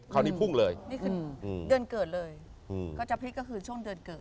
เดือนเกิดเลยครับก็จะพลิกช่วงเดือนเกิด